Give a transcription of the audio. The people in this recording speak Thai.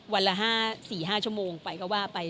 วันละ๔๕ชั่วโมงไปก็ว่าไป